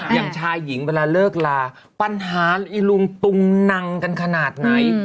อย่างชายหญิงเวลาเลิกลาปัญหาอีลุงตุงนังกันขนาดไหน